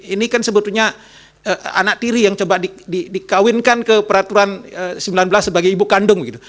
ini kan sebetulnya anak tiri yang coba dikawinkan ke peraturan sembilan belas sebagai ibu kandung gitu